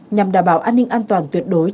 nhằm đảm bảo an ninh an toàn tuyệt đối